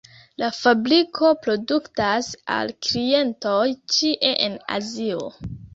La fabriko produktas al klientoj ĉie en Azio.